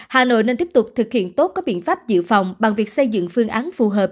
hà nội nên tiếp tục thực hiện tốt các biện pháp dự phòng bằng việc xây dựng phương án phù hợp